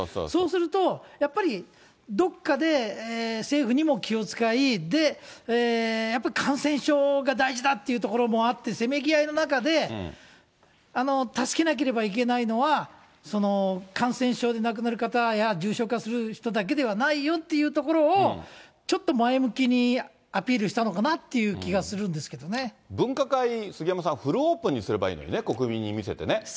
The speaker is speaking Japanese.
そうすると、やっぱりどこかで政府にも気を遣い、やっぱり感染症が大事だっていうところもあって、せめぎ合いの中で、助けなければいけないのは、感染症で亡くなる方や重症化する人だけではないよというところを、ちょっと前向きにアピールしたのかなという気がするんですけれど分科会、杉山さん、フルオープンにすればいいのにね、国民に見せてね。